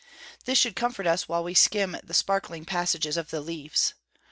This should comfort us while we skim the sparkling passages of the 'Leaves.'